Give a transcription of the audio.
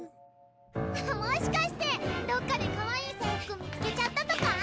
もしかしてどっかでかわいい制服見つけちゃったとか？